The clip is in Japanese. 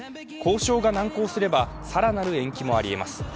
交渉が難航すれば、更なる延期もありえます。